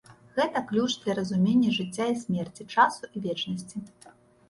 Гэта ключ для разумення жыцця і смерці, часу і вечнасці.